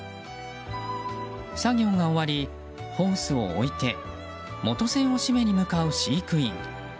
作業が終わり、ホースを置いて元栓を閉めに向かう飼育員。